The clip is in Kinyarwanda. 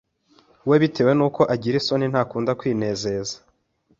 we bitewe n’uko agira isoni ntakunda kwinezeza